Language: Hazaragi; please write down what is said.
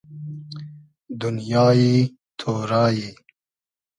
دونیای تۉرای